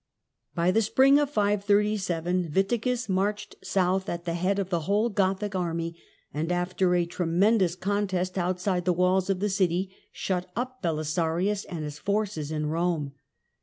By the spring of 537 Witigis marched south at the head of the whole Gothic army, and after a tremendous contest outside the walls of the city shut up pelisarius_ and his brces in Rome.